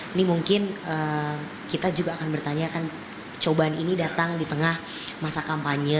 ini mungkin kita juga akan bertanya kan cobaan ini datang di tengah masa kampanye